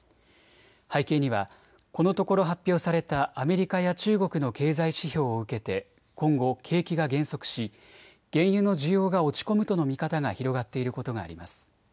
背景には、このところ発表されたアメリカや中国の経済指標を受けて今後、景気が減速し原油の需要が落ち込むとの見方が広がっていることがあります。